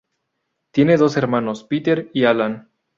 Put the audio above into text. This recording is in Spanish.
Tiene dos hermanos, Peter y Alan.